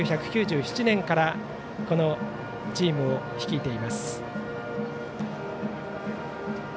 １９９７年からこのチームを率いています。